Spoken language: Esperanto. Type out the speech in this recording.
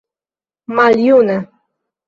maljuna